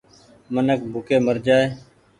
منک ڀوڪي مرجآئي ۔